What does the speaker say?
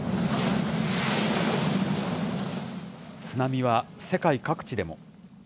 津波は世界各地でも。